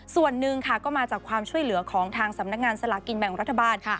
ส่วนหนึ่งค่ะก็มาจากความช่วยเหลือของทางสำนักงานสลากินแบ่งรัฐบาล